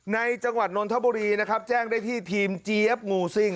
จังหวัดนนทบุรีนะครับแจ้งได้ที่ทีมเจี๊ยบงูซิ่ง